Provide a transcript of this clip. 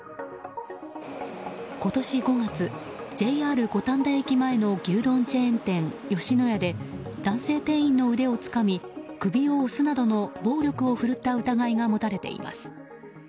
今年５月、ＪＲ五反田駅前の牛丼チェーン店、吉野家で男性店員の腕をつかみ首を押すなどの暴力を振るった疑いが持たれています。